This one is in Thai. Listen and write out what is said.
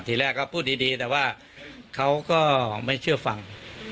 ทีแรกก็พูดดีแต่ว่าเขาก็ไม่เชื่อฟัง